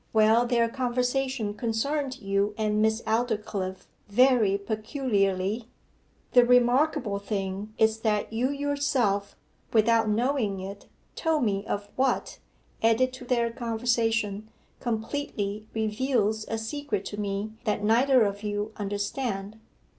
Well, their conversation concerned you and Miss Aldclyffe, very peculiarly. The remarkable thing is that you yourself, without knowing it, told me of what, added to their conversation, completely reveals a secret to me that neither of you understand.